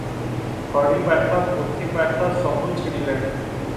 ଖଡ଼ିପାଠ, ପୋଥିପାଠ ସବୁ ଛିଡ଼ିଲାଣି ।